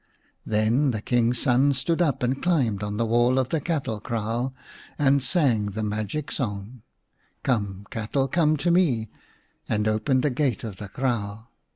Then the King's son stood up and climbed on the wall of the cattle kraal, and sang the magic song, " Come, cattle, come to me," and opened the gate of the kraal.